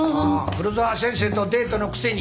黒沢先生とデートのくせに。